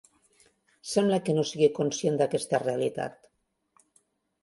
Sembla que no sigui conscient d’aquesta realitat.